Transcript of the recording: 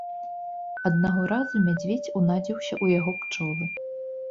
Аднаго разу мядзведзь унадзіўся ў яго пчолы.